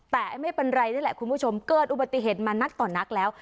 แต่ไม่เป็นไรนี่แหละคุณผู้ชมเกิดอุบัติเหตุมานักต่อนักแล้ว